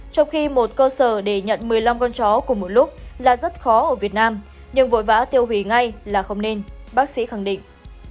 trong khi một cơ sở để nhận một mươi năm con chó cùng một lúc là rất khó ở việt nam nhưng vội vã tiêu hủy ngay là không nên bác sĩ khẳng định